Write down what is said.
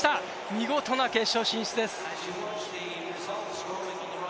見事な決勝進出です。